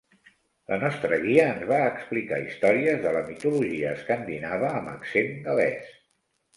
La nostra guia ens va explicar històries de la mitologia escandinava amb accent gal·lès.